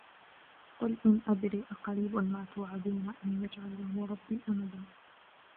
قُلْ إِنْ أَدْرِي أَقَرِيبٌ مَا تُوعَدُونَ أَمْ يَجْعَلُ لَهُ رَبِّي أَمَدًا